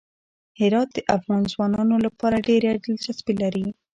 هرات د افغان ځوانانو لپاره ډېره دلچسپي لري.